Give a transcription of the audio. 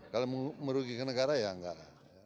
kalau merugikan negara ya enggak